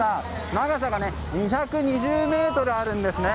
長さは２２０ｍあるんですね。